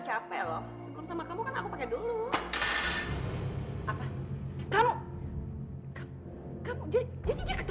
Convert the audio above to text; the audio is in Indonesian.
tapi jangan sekali sekali kamu berhubungan dengan lagi lagi seperti dia